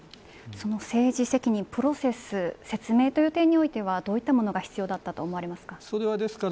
その政治責任、プロセス説明という点においてはどういったものが必要だったと思われますか。